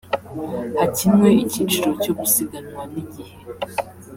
hakinwe icyiciro cyo gusiganwa n’igihe